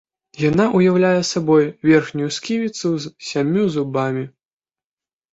Яна ўяўляе сабой верхнюю сківіцу з сямю зубамі.